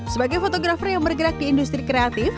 sebagai fotografer yang bergerak di industri kreatif